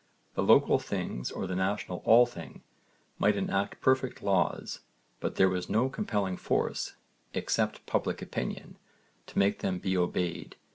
The local þings or the national alþing might enact perfect laws, but there was no compelling force, except public opinion, to make them be obeyed.